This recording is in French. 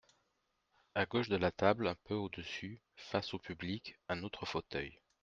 À gauche de la table, un peu au-dessus, face au public, un autre fauteuil.